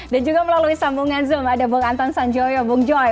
dan juga melalui sambungan zoom ada bung anton sanjoyo bung joy